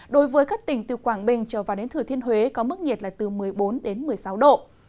đối với các tỉnh từ quảng bình trở vào đến thừa thiên huế có mức nhiệt là từ một mươi bốn đến một mươi sáu độ